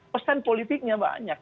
pesan politiknya banyak